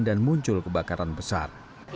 dan muncul kebakaran besar